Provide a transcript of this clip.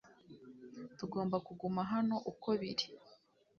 Tugomba kuguma hano uko biri